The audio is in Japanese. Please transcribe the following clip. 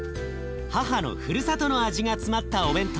母のふるさとの味が詰まったお弁当。